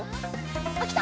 あっきた！